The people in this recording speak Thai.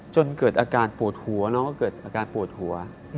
จนเกิดอาการปวดหัวน้องก็เกิดอาการปวดหัว